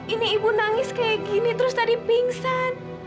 ini ibu nangis kayak gini terus tadi pingsan